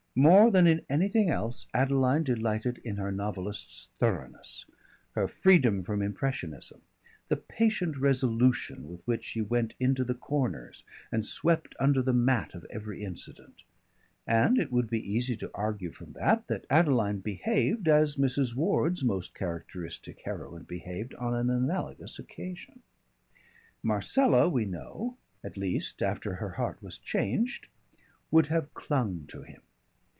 More than in anything else, Adeline delighted in her novelist's thoroughness, her freedom from impressionism, the patient resolution with which she went into the corners and swept under the mat of every incident. And it would be easy to argue from that, that Adeline behaved as Mrs. Ward's most characteristic heroine behaved, on an analogous occasion. Marcella we know at least after her heart was changed would have clung to him.